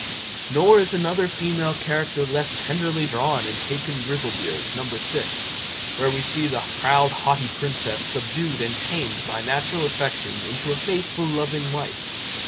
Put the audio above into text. Nor is another female character less tenderly drawn in Hacon Grizzlebeard, No. vi, where we see the proud, haughty princess subdued and tamed by natural affection into a faithful, loving wife.